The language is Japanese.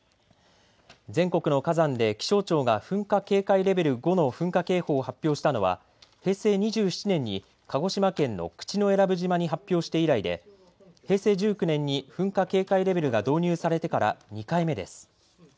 全国の火山で気象庁が噴火警戒レベル５の噴火警報を発表したのは平成２７年に鹿児島県の口永良部島に発表して以来で平成１９年に噴火警戒レベルが導入されてから２回目です。